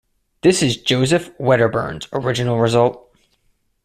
This is Joseph Wedderburn's original result.